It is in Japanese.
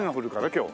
今日。